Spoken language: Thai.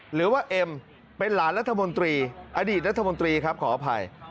เอ็มเป็นหลานรัฐมนตรีอดีตรัฐมนตรีครับขออภัย